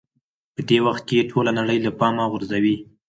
په دې وخت کې ټوله نړۍ له پامه غورځوئ.